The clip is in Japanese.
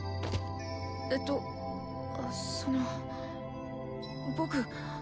えっとあその僕。